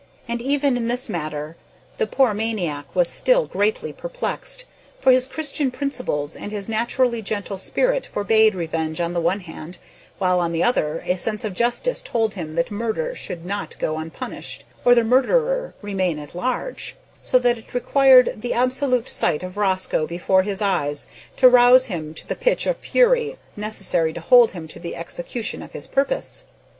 And even in this matter the poor maniac was still greatly perplexed, for his Christian principles and his naturally gentle spirit forbade revenge on the one hand, while, on the other, a sense of justice told him that murder should not go unpunished, or the murderer remain at large; so that it required the absolute sight of Rosco before his eyes to rouse him to the pitch of fury necessary to hold him to the execution of his purpose.